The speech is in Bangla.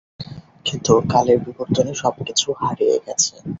কিন্তু কালের বিবর্তনে সব কিছু হারিয়ে গেছে।